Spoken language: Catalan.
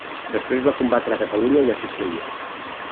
Després va combatre a Catalunya i a Sicília.